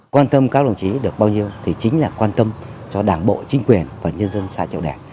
quan tâm các đồng chí được bao nhiêu thì chính là quan tâm cho đảng bộ chính quyền và nhân dân xã triệu đảng